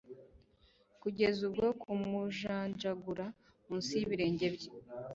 Kugeza ubwo kumujanjagura munsi y'ibirenge bye